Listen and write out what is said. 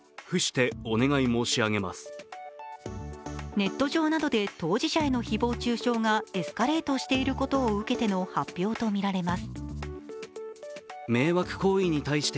ネット上などで当事者への誹謗中傷がエスカレートしていることを受けての発表とみられます。